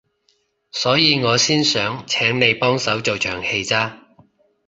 所以我先想請你幫手做場戲咋